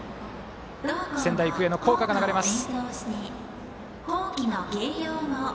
仙台育英の校歌が流れます。